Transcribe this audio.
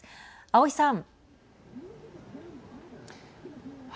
青井さん。